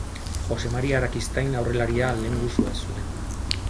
Jose Maria Arakistain aurrelaria lehengusua zuen.